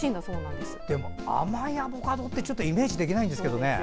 でも甘いアボカドってイメージできないんですけどね。